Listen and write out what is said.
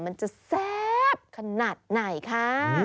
มันจะแซ่บขนาดไหนคะ